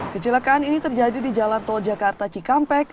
kecelakaan ini terjadi di jalan tol jakarta cikampek